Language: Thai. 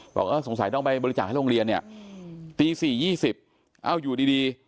บอกเออสงสัยต้องไปบริจาคให้โรงเรียนเนี่ยตี๔๒๐เอ้าอยู่ดี